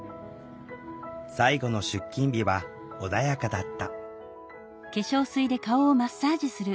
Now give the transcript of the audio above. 最後の出勤日は穏やかだった。